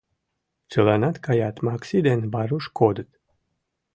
Чыланат каят, Макси ден Варуш кодыт.